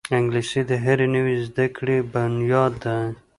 انګلیسي د هرې نوې زده کړې بنیاد ده